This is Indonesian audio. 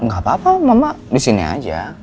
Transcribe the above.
nggak apa apa mama di sini aja